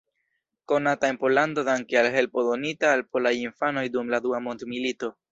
Konata en Pollando danke al helpo donita al polaj infanoj dum la dua mondmilito.